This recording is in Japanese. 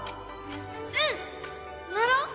うん！なろう！